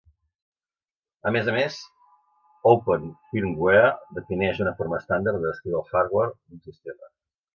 A més a més, Open Firmware defineix una forma estàndard de descriure el hardware d'un sistema.